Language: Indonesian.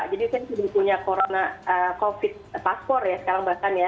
jadi saya sudah punya covid passport ya sekarang bahkan ya